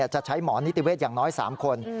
จะใช้หมอนิติเวศอย่างน้อย๓คน